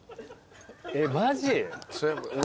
えっマジ？